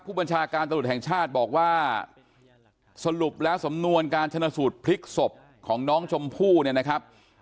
ผู้บัญชาการตำรวจแห่งชาติบอกว่าสรุปแล้วสำนวนการชนะสูตรพลิกศพของน้องชมพู่เนี่ยนะครับ